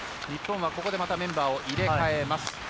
日本は、ここでまたメンバーを入れ替えます。